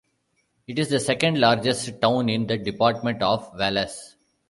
It is the second-largest town in the department after Valence.